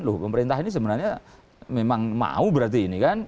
loh pemerintah ini sebenarnya memang mau berarti ini kan